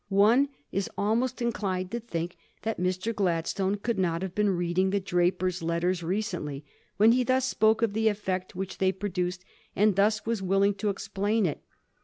One is almost inclined to think that Mr. Gladstone could not have been reading the ' Drapier's Letters ' recently, when he thus spoke of the effect which they produced, and thus was willing to explain it.